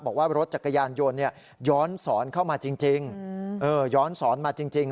บอกว่ารถจักรยานยนต์ย้อนสอนเข้ามาจริง